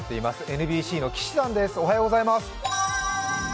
ＮＢＣの岸さんです。